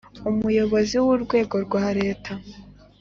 Umuyobozi w urwego rwa Leta